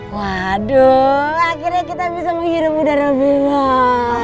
waduh akhirnya kita bisa menghidupi darah belom